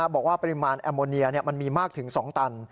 บอกว่าปริมาณแอมโมเนียมันมีมากถึง๒ตัน